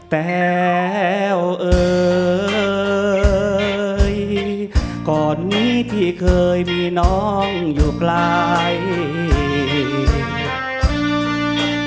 แต้วเอ่ยก่อนนี้พี่เคยมีน้องอยู่ไกล